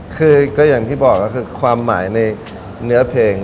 คือก็อย่างที่บอกก็คือความหมายในเนื้อเพลง